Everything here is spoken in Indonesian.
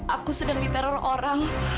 aku sedang diteror orang